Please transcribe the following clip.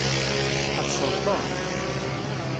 Tḥebseḍ Tom?